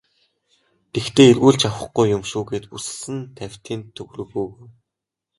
Тэгэхдээ эргүүлж авахгүй юм шүү гээд бүсэлсэн тавьтын төгрөг өгөв.